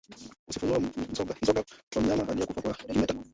Usifunue mzoga wa mnyama aliekufa kwa kimeta